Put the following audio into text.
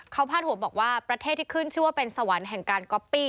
เขาพาดหัวบอกว่าประเทศที่ขึ้นชื่อว่าเป็นสวรรค์แห่งการก๊อปปี้